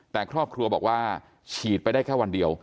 แต่ครอบครัวบอกว่าฉีดไปได้แค่วันเดียว